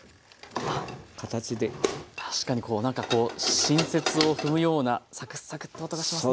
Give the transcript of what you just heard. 確かになんかこう新雪を踏むようなサクッサクッて音がしますね。